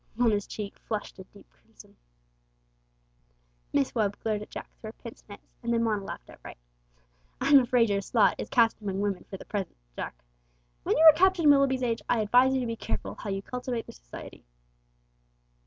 Mona's cheeks flushed a deep crimson. Miss Webb glared at Jack through her pince nez, and then Mona laughed outright. "I'm afraid your lot is cast amongst women for the present, Jack. When you are Captain Willoughby's age, I advise you to be careful how you cultivate their society."